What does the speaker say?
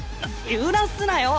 揺らすなよ！